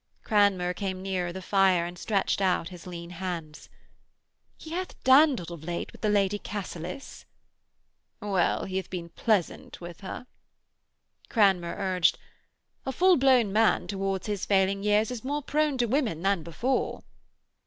Cranmer came nearer the fire and stretched out his lean hands. 'He hath dandled of late with the Lady Cassilis.' 'Well, he hath been pleasant with her.' Cranmer urged: 'A full blown man towards his failing years is more prone to women than before.'